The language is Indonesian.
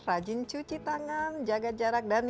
rajin cuci tangan jaga jarak dan